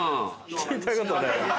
聞いたことない。